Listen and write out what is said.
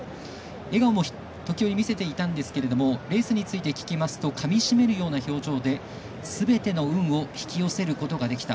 笑顔も時折見せていたんですけどレースについて聞きますとかみ締めるような表情で「すべての運を引き寄せることができた。